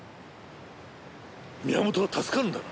宮本は助かるんだな？